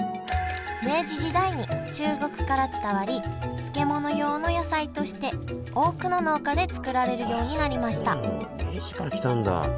明治時代に中国から伝わり漬物用の野菜として多くの農家で作られるようになりました明治から来たんだ？